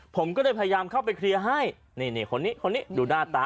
ผมก็ได้พยายามเข้าไปให้นี่นี่คนนี้คนนี้ดูหน้าตา